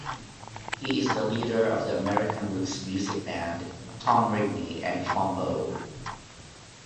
He is the leader of the American roots music band, Tom Rigney and Flambeau.